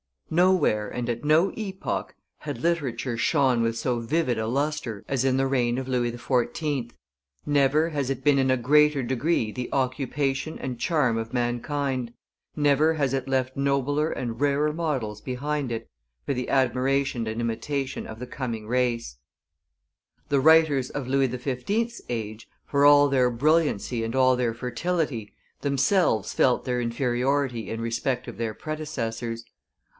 Nowhere and at no epoch had literature shone with so vivid a lustre as in the reign of Louis XIV.; never has it been in a greater degree the occupation and charm of mankind, never has it left nobler and rarer models behind it for the admiration and imitation of the coming race; the writers of Louis XV.'s age, for all their brilliancy and all their fertility, themselves felt their inferiority in respect of their predecessors.